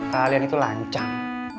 kalian itu lancang